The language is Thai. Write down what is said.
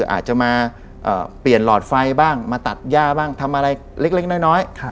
อาจจะมาเปลี่ยนหลอดไฟด้วยมาตัดย่างง่าย